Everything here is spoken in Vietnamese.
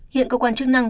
hiện cơ quan chức năng